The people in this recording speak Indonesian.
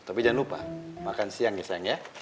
tapi jangan lupa makan siang ya sayang ya